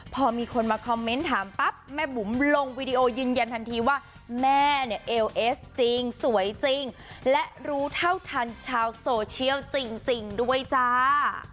พอมีคนมาคอมเมนต์ถามปั๊บแม่บุ๋มลงวีดีโอยืนยันทันทีว่าแม่เนี่ยเอลเอสจริงสวยจริงและรู้เท่าทันชาวโซเชียลจริงด้วยจ้า